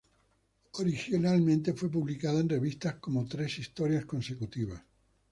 Originalmente fue publicada en revistas como tres historias consecutivas.